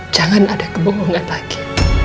jangan ada kebohongan lagi